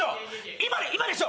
今今でしょ！